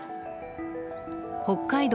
北海道